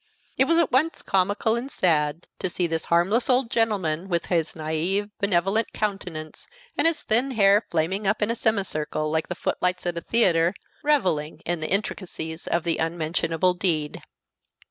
It was at once comical and sad to see this harmless old gentleman, with his naïve, benevolent countenance, and his thin hair flaming up in a semicircle, like the footlights at a theatre, reveling in the intricacies of the unmentionable deed.